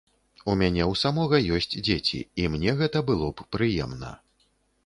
У мяне ў самога ёсць дзеці і мне гэта было б прыемна.